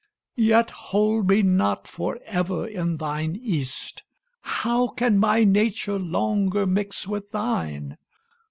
Yet hold me not for ever in thine East: How can my nature longer mix with thine?